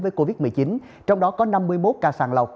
với covid một mươi chín trong đó có năm mươi một ca sàng lọc